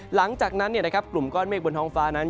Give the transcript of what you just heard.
หลังจากนั้นกลุ่มก้อนเมฆบนท้องฟ้านั้น